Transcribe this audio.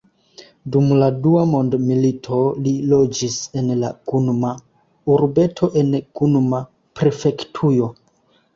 Dum la Dua Mondmilito, li loĝis en la Gunma-urbeto en Gunma-prefektujo.